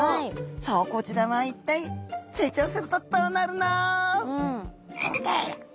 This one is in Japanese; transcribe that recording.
さあこちらは一体成長するとどうなるの？